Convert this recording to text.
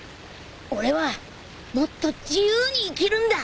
俺はもっと自由に生きるんだ。